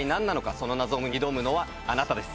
その謎に挑むのはあなたです。